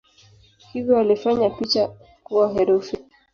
Hivyo walifanya picha kuwa herufi.